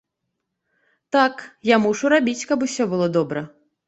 Так, я мушу рабіць, каб усё было добра.